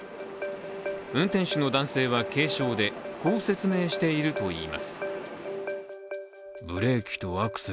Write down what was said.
運転手の男性は軽傷でこう説明しているといいます。